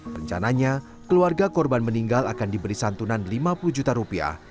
rencananya keluarga korban meninggal akan diberi santunan lima puluh juta rupiah